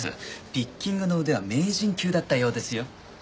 ピッキングの腕は名人級だったようですよ。